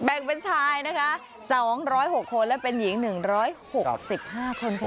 เป็นชายนะคะ๒๐๖คนและเป็นหญิง๑๖๕คนค่ะ